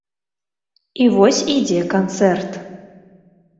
І вось ідзе канцэрт.